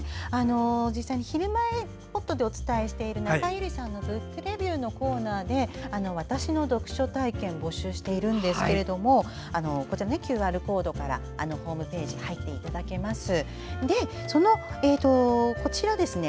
実際「ひるまえほっと」でお伝えしている「中江有里のブックレビュー」のコーナーで「わたしの読書体験」を募集しているんですけどもＱＲコードからホームページに入っていただけます。